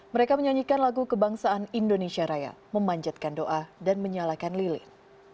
mereka menyanyikan lagu kebangsaan indonesia raya memanjatkan doa dan menyalakan lilin